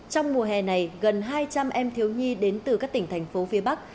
trong mùa hè này gần hai trăm linh em thiếu nhi đến từ các tỉnh thành phố phía bắc